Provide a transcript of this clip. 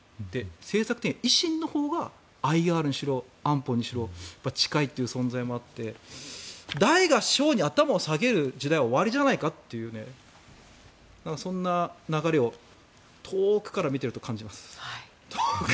政策的に維新のほうがＩＲにしろ安保にしろ近いという存在もあって大が小に頭を下げる時代は終わりじゃないかというそんな流れを遠くから見ていると感じます。